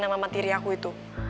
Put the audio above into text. sama matiri aku itu